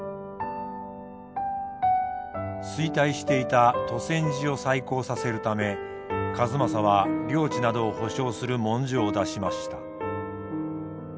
衰退していた兎川寺を再興させるため数正は領地などを保証する文書を出しました。